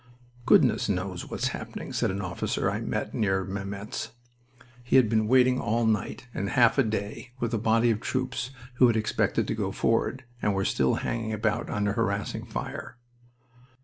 "Goodness knows what's happening," said an officer I met near Mametz. He had been waiting all night and half a day with a body of troops who had expected to go forward, and were still hanging about under harassing fire.